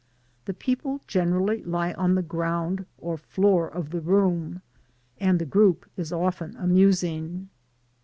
The people generally lie on the ground or floor of the room, and the group is often amusing.